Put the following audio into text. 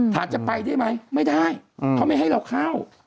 จะไปได้ไหมไม่ได้เขาไม่ให้เราเข้า